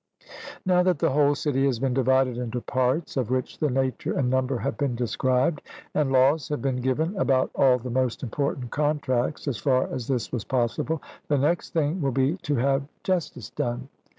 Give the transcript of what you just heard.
Now that the whole city has been divided into parts of which the nature and number have been described, and laws have been given about all the most important contracts as far as this was possible, the next thing will be to have justice done.